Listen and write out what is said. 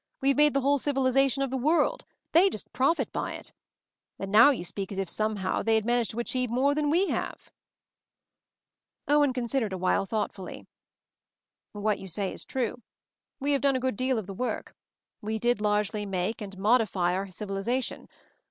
We have made the whole civiliza tion of the world — they just profit by it. And now you speak as if, somehow, they had managed to achieve more than we have !" Owen considered a while thoughtfully. "What you say is true. We have done a 188 MOVING THE MOUNTAIN good deal of the work; we did largely make and modify our civilization.